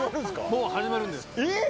もう始まるんです。え？